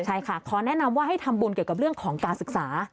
ใช่ค่ะขอแนะนำว่าให้ทำบุญเกี่ยวกับเรื่องของการศึกษา